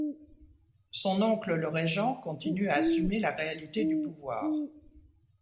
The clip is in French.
Son oncle le régent continue à assumer la réalité du pouvoir.